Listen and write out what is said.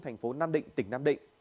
thành phố nam định tỉnh nam định